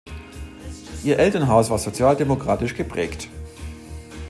Ihr Elternhaus war sozialdemokratisch geprägt.